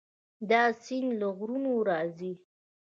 دا سیند له غرونو راځي.